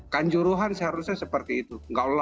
kanjuruhan seharusnya seperti itu